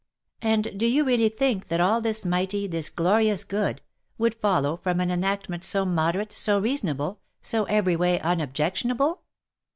" And do you really think all this mighty, this glorious good, would follow from an enactment so moderate, so reasonable, so every way unobjectionable